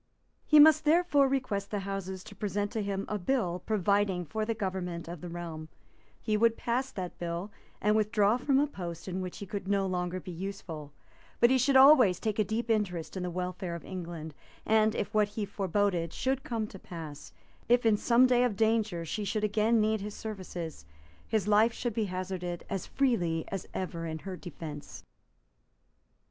He must therefore request the Houses to present to him a bill providing for the government of the realm; he would pass that bill, and withdraw from a post in which he could no longer be useful, but he should always take a deep interest in the welfare of England; and, if what he foreboded should come to pass, if in some day of danger she should again need his services, his life should be hazarded as freely as ever in her defence.